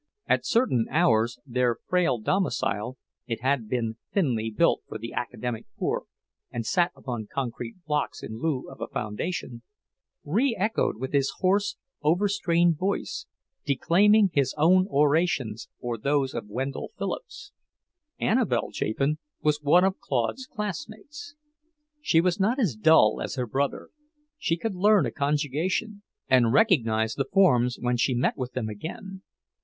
At certain hours their frail domicile it had been thinly built for the academic poor and sat upon concrete blocks in lieu of a foundation re echoed with his hoarse, overstrained voice, declaiming his own orations or those of Wendell Phillips. Annabelle Chapin was one of Claude's classmates. She was not as dull as her brother; she could learn a conjugation and recognize the forms when she met with them again.